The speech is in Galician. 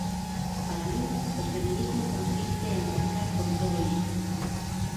Para min o feminismo consiste en rachar con todo isto.